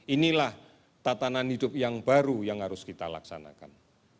inilah tatanan hidup yang baru yang harus kita laksanakan